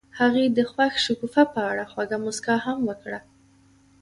هغې د خوښ شګوفه په اړه خوږه موسکا هم وکړه.